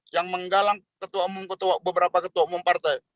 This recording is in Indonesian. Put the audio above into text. yang menggalang ketua umum beberapa ketua umum partai